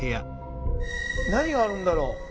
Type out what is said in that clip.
何があるんだろう。